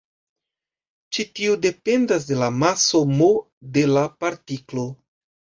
Ĉi tio dependas de la maso "m" de la partiklo.